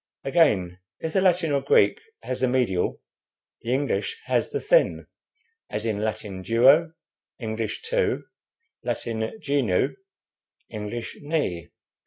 Again, if the Latin or Greek has the medial, the English has the thin, as in Latin 'duo,' English 'two,' Latin 'genu,' English 'knee.'